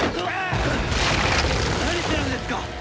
何するんですか！？